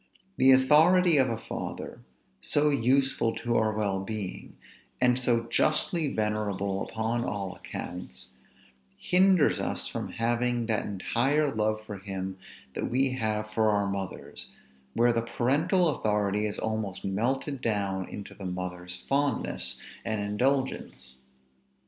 The authority of a father, so useful to our well being, and so justly venerable upon all accounts, hinders us from having that entire love for him that we have for our mothers, where the parental authority is almost melted down into the mother's fondness and indulgence.